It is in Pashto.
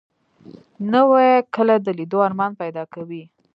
نوې کلی د لیدو ارمان پیدا کوي